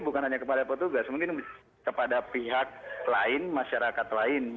bukan hanya kepada petugas mungkin kepada pihak lain masyarakat lain